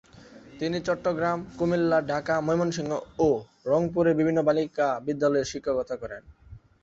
তিনি চট্টগ্রাম, কুমিল্লা, ঢাকা, ময়মনসিংহ ও রংপুরের বিভিন্ন বালিকা বিদ্যালয়ে শিক্ষকতা করেন।